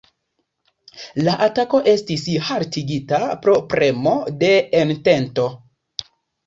La atako estis haltigita pro premo de Entento.